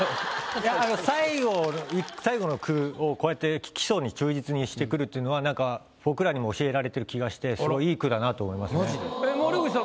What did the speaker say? いや最後の１句最後の句をこうやって基礎に忠実にしてくるっていうのはなんか僕らにも教えられてる気がしてすごい森口さん